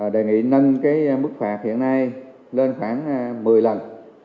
đề nghị nâng mức phạt hiện nay lên khoảng một mươi lần